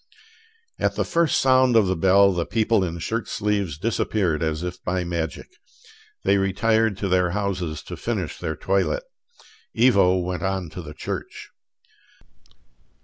At the first sound of the bell the people in shirt sleeves disappeared as if by magic. They retired to their houses to finish their toilet: Ivo went on to the church.